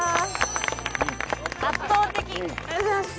・圧倒的ありがとうございます